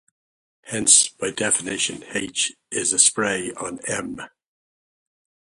Hence, by definition, "H" is a spray on "M".